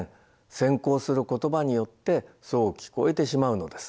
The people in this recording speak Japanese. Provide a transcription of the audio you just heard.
先行する言葉によってそう聞こえてしまうのです。